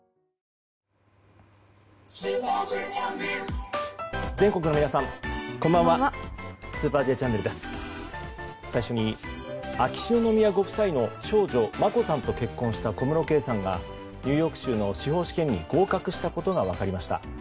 最初に、秋篠宮ご夫妻の長女眞子さんと結婚した小室圭さんがニューヨーク州の司法試験に合格したことが分かりました。